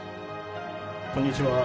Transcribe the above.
こんにちは。